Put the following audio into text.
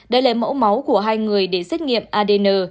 đã lấy mẫu máu của hai người để xét nghiệm adn